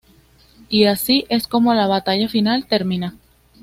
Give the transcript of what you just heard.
Y así es como la batalla final termina.